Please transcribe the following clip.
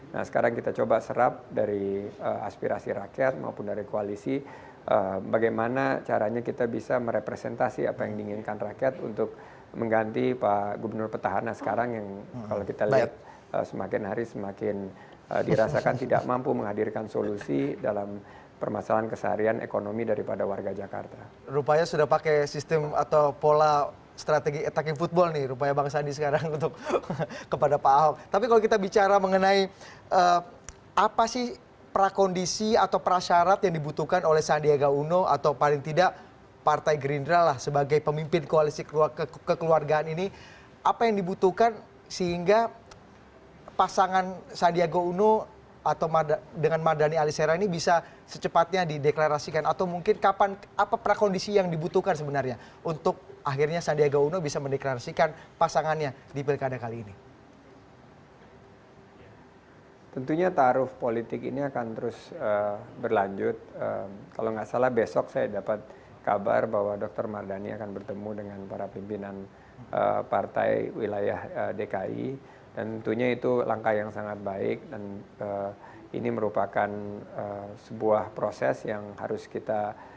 nah sekarang kita coba serap dari aspirasi rakyat maupun dari koalisi eee bagaimana caranya kita bisa merepresentasi apa yang diinginkan rakyat untuk mengganti pak gubernur petahana sekarang yang kalau kita lihat semakin hari semakin dirasakan tidak mampu menghadirkan solusi dalam permasalahan kesaharian dan permasalahan kekuasaan kita